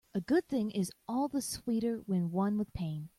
A good thing is all the sweeter when won with pain.